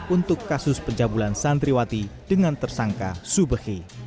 untuk kasus pencabulan santriwati dengan tersangka subehi